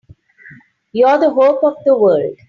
You're the hope of the world!